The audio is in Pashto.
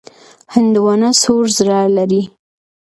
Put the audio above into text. هندوانه سور زړه لري.